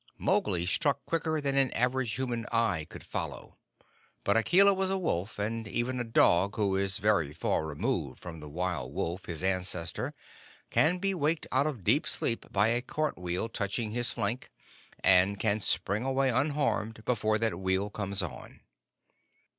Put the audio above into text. Mowgli struck quicker than an average human eye could follow, but Akela was a wolf; and even a dog, who is very far removed from the wild wolf, his ancestor, can be waked out of deep sleep by a cart wheel touching his flank, and can spring away unharmed before that wheel comes on.